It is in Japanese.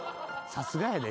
さすがやで。